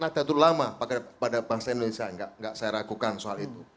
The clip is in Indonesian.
ada tuh lama pada bahasa indonesia enggak saya ragukan soal itu